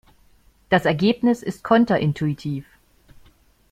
Das Ergebnis ist konterintuitiv.